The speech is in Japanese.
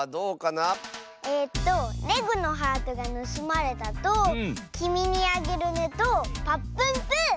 えっと「レグのハートがぬすまれた！」と「きみにあげるね」と「ぱっぷんぷぅ」！